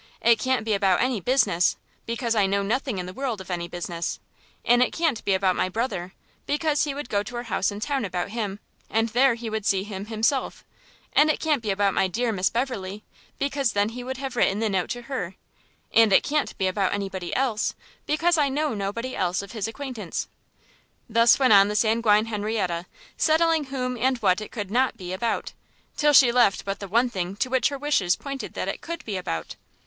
It can't be about any business, because I know nothing in the world of any business; and it can't be about my brother, because he would go to our house in town about him, and there he would see him himself; and it can't be about my dear Miss Beverley, because then he would have written the note to her and it can't be about any body else, because I know nobody else of his acquaintance." Thus went on the sanguine Henrietta, settling whom and what it could not be about, till she left but the one thing to which her wishes pointed that it could be about.